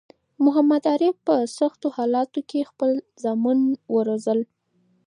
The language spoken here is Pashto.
محمد عارف په سختو حالاتو کی خپل زامن وروزل